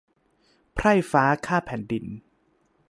ไพร่ฟ้าข้าแผ่นดิน